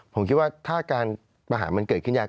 ผมคิดว่าถ้าการประหารมันเกิดขึ้นยาก